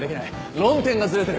論点がずれてる。